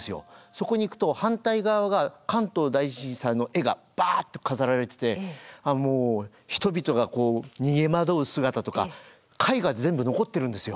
そこに行くと反対側が関東大震災の絵がバッと飾られててもう人々がこう逃げ惑う姿とか絵画で全部残っているんですよ。